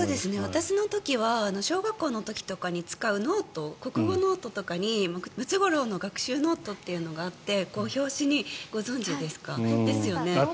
私の時は小学校の時とかに使う国語ノートとかにムツゴロウの学習ノートというのがあって表紙にご存じですか？